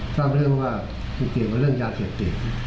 ทราบเรื่องว่าไปเกี่ยวกับเรื่องยาเสพติด